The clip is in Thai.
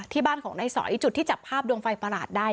ที่บ้านของนายสอยจุดที่จับภาพดวงไฟประหลาดได้